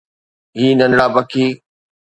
هي ننڍڙا پکي